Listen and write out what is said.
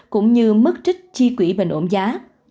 cũng như mức trích chi quỷ bình ổn giá